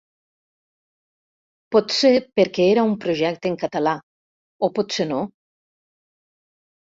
Potser perquè era un projecte en català, o potser no.